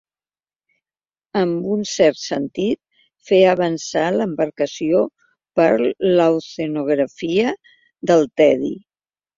En un cert sentit, fer avançar l'embarcació per l'oceanografia del tedi.